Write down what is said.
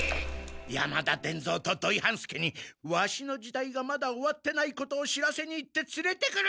山田伝蔵と土井半助にワシの時代がまだ終わってないことを知らせに行ってつれてくる！